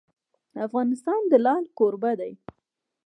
افغانستان د لعل کوربه دی.